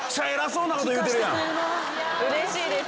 うれしいです。